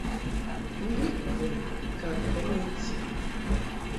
Mbi bun ka kɔn I ti.